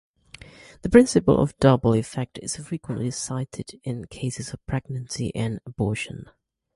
The principle of double effect is frequently cited in cases of pregnancy and abortion.